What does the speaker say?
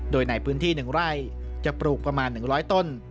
โดยในพื้นที่๑ไร่จะปลูกประมาณ๑๐๐ต้น